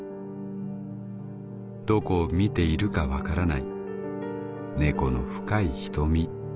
どこを見ているかわからない猫の深い瞳。